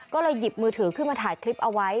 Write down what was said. ก็เลยหยิบมือถือขึ้นมาถ่ายคลิปเอาไว้